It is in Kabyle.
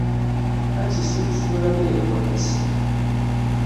Ad t-issukkes tura, ma yehwa-as!